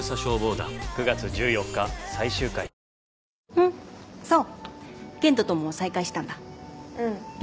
ふんそう健人とも再会したんだうん